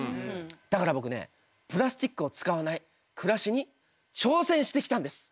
だから僕ねプラスチックを使わない暮らしに挑戦してきたんです。